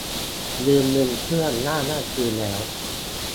- ยืมเงินเพื่อน : อ้างว่าคืนแล้ว